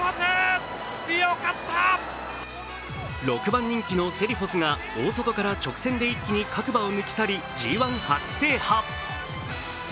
６番人気のセリフォスが大外から直線で一気に各馬を抜き去りＧⅠ初制覇。